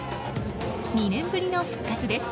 ２年ぶりの復活です。